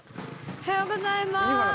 おはようございます。